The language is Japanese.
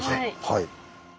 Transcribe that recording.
はい。